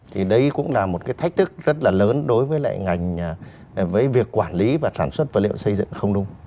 thì đấy cũng là một cái thách thức rất là lớn đối với lại ngành với việc quản lý và sản xuất vật liệu xây dựng không nung